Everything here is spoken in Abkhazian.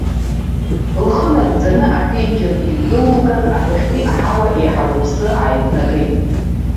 Лхы нагӡаны аԥенџьыр иҩкылылган, адәахьтәи аҳауа еиҳа лыԥсы ааивнагеит.